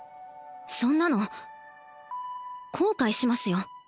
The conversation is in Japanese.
そんなの後悔しますよ